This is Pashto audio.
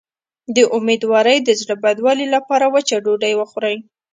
د امیدوارۍ د زړه بدوالي لپاره وچه ډوډۍ وخورئ